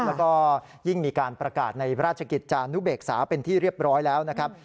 แล้วก็ยิ่งมีการประกาศในราชกิจจานุเบกษาเป็นที่เรียบร้อยแล้วนะครับ